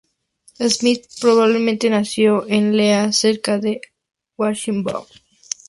Smith probablemente nació en Lea, cerca de Gainsborough.